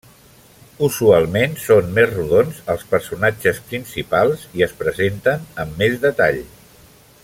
Usualment són més rodons els personatges principals i es presenten amb més detall.